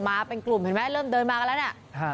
มาเป็นกลุ่มเห็นไหมเริ่มเดินมากันแล้วเนี่ย